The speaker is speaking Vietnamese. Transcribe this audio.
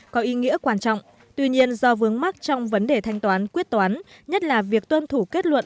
có ý nghĩa quan trọng tuy nhiên do vướng mắc trong vấn đề thanh toán quyết toán nhất là việc tuân thủ kết luận